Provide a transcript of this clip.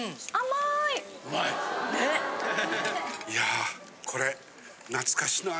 いやこれ懐かしの味。